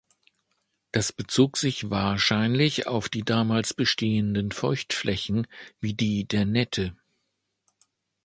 Das bezog sich wahrscheinlich auf die damals bestehenden Feuchtflächen, wie die der Nette.